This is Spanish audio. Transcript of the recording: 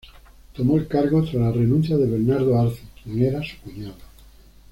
Tomó el cargo tras la renuncia de Bernardo Arce, quien era su cuñado.